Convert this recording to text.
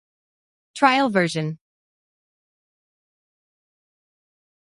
With the "Arcadia" behind him, Sannazaro concentrated on Latin works of classical inspiration.